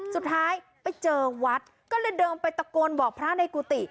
สุดท้ายไปเจอวัดก็เลยเดินไปตะโกนบอกพระในกุฏิ